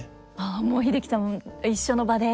ああもう英樹さんも一緒の場で？